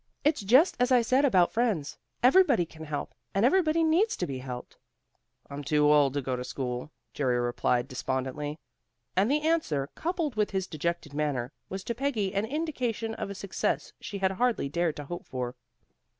It's just as I said about friends. Everybody can help, and everybody needs to be helped." "I'm too old to go to school," Jerry replied despondently. And the answer, coupled with his dejected manner, was to Peggy an indication of a success she had hardly dared to hope for.